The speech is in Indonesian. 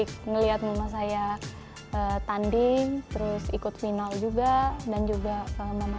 dan saya asyik melihat rumah saya tanding terus ikut final juga dan juga selama